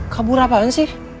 kabur apaan sih